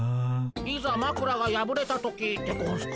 いざまくらがやぶれた時でゴンスか？